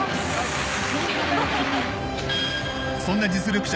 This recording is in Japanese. そんな実力者